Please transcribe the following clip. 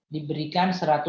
diberikan seratus ribu